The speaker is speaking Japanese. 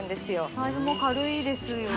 財布も軽いですよね